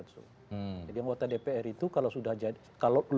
jadi anggota dpr itu kalau sudah jadi